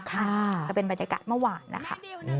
ก็เป็นบรรยากาศเมื่อวานนะคะ